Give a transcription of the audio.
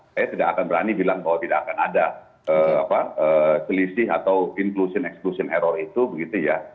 saya tidak akan berani bilang bahwa tidak akan ada selisih atau inclusion exclusion error itu begitu ya